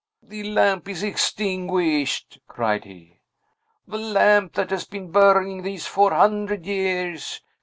"The lamp is extinguished!" cried he. "The lamp that has been burning these four hundred years!